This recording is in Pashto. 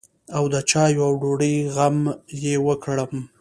او د چايو او ډوډۍ غم يې وکړم.